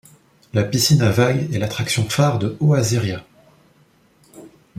La piscine à vagues est l'attraction phare de Oasiria.